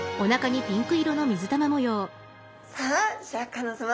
さあシャーク香音さま